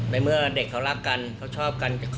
เมื่อเด็กเขารักกันเขาชอบกัน